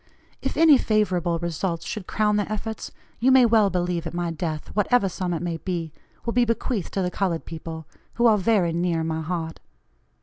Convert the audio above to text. If any favorable results should crown their efforts, you may well believe at my death, whatever sum it may be, will be bequeathed to the colored people, who are very near my heart.